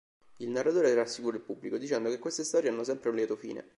Il narratore rassicura il pubblico, dicendo che queste storie hanno sempre un lieto fine.